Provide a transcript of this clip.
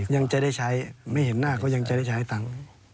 ยังจะได้ใช้ไม่เห็นหน้าก็ยังจะได้ใช้ตังค์